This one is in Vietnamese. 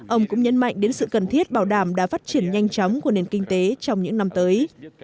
ông cũng nhấn mạnh đến sự cần thiết bảo đảm đã phát triển nhanh chóng của nền kinh tế trong những năm tới